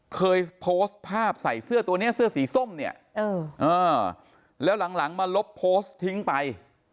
เคยโพสต์ภาพใส่เสื้อตัวนี้เสื้อสีส้มเนี่ยแล้วหลังมาลบโพสต์ทิ้งไป